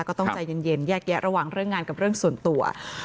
ก็ต้องใจเย็นแยกแยะระหว่างเรื่องงานกับเรื่องส่วนตัว